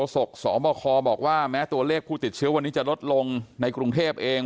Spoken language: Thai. สกสบคบอกว่าแม้ตัวเลขผู้ติดเชื้อวันนี้จะลดลงในกรุงเทพเอง